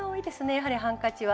やはりハンカチは。